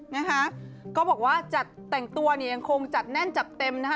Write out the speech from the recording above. นะคะก็บอกว่าจัดแต่งตัวเนี่ยยังคงจัดแน่นจัดเต็มนะคะ